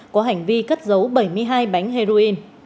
có hành vi cất dấu bảy mươi hai bánh heroin